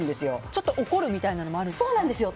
ちょっと怒るみたいなのもあるんですか？